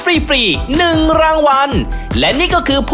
ใครที่ดูรายการเราอยู่แล้วใครที่ออกรายการเรา